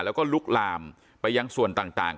แล้วก็ลุกลามไปยังส่วนต่าง